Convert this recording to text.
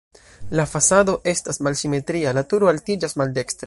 La fasado estas malsimetria, la turo altiĝas maldekstre.